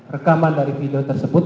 rekaman dari video tersebut